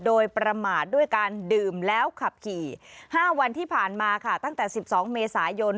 โดยประมาทด้วยการดื่มแล้วขับขี่๕วันที่ผ่านมาค่ะตั้งแต่๑๒เมษายน